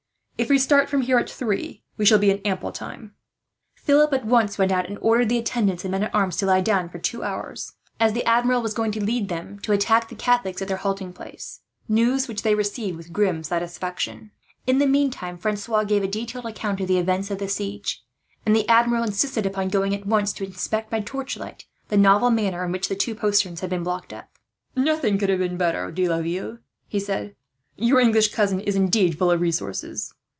If we start from here at three, we shall be in ample time." Philip at once went out, and ordered the attendants and men at arms to lie down for two hours, as the Admiral was going to lead them to attack the Catholics at their halting place news which was received with grim satisfaction. In the meantime, Francois gave a detailed account of the events of the siege; and the Admiral insisted upon going, at once, to inspect by torchlight the novel manner in which the two posterns had been blocked up. "Nothing could have been better, De Laville," he said. "Your English cousin is, indeed, full of resources.